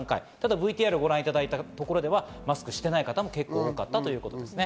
ＶＴＲをご覧いただいた感じでは、マスクをしていない方も結構多かったという感じですね。